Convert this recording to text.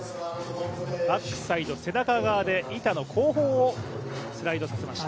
バックサイド背中側で板の後方をスライドさせました。